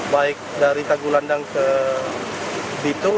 baik dari tagu landang ke bitung